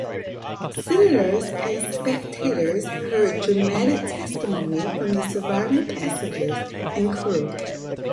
Senators and spectators heard dramatic testimony from the surviving passengers and crew.